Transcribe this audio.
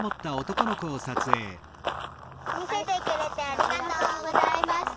みせてくれてありがとうございました。